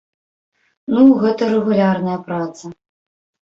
Ну, гэта рэгулярная праца.